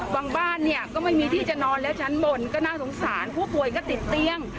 บ้านเนี่ยก็ไม่มีที่จะนอนแล้วชั้นบนก็น่าสงสารผู้ป่วยก็ติดเตียง